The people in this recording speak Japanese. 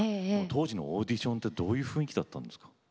当時のオーディションってどういう雰囲気だったんですか？